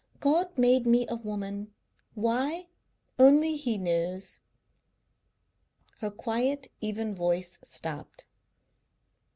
God made me a woman. Why, only He knows." Her quiet, even voice stopped.